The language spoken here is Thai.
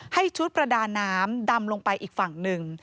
ชุดประดาน้ำดำลงไปอีกฝั่งหนึ่ง